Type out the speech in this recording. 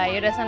ya udah senang